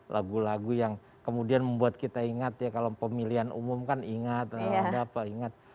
lagu lagu yang kemudian membuat kita ingat ya kalau pemilihan umum kan ingat ada apa ingat